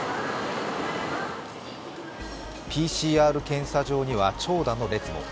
ＰＣＲ検査場には長蛇の列も。